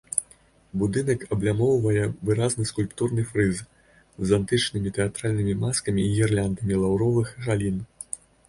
Будынак аблямоўвае выразны скульптурны фрыз з антычнымі тэатральнымі маскамі і гірляндамі лаўровых галін.